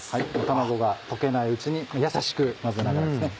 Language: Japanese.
トマトが溶けないうちにやさしく混ぜながらですね。